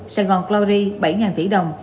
sài gòn glory bảy tỷ đồng